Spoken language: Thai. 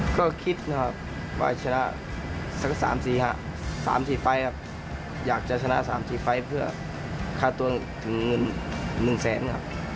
ก็คิดนะครับว่าจะชนะสักสามสี่ฝ่ายครับสามสี่ฝ่ายครับอยากจะชนะสามสี่ฝ่ายเพื่อคาตัวถึงเงินหนึ่งแสนครับ